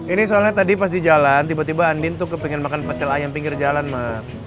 ini soalnya tadi pas di jalan tiba tiba andin tuh pengen makan pecel ayam pinggir jalan mah